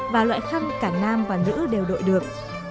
và loại khăng cả nam và nữ đều đội được